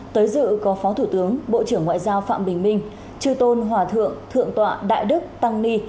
tới dự có phó thủ tướng bộ trưởng ngoại giao phạm bình minh chư tôn hòa thượng thượng tọa đại đức tăng ni